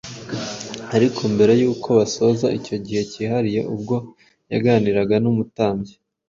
ariko mbere yuko basoza icyo gihe cyihariye ubwo yaganiraga n’umutambyi